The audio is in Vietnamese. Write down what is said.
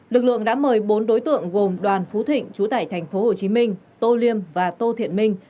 lực lượng đã mời bốn đối tượng gồm đoàn phú thịnh chú tải tp hcm tô liêm và tô thiện minh